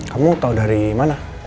kamu tau dari mana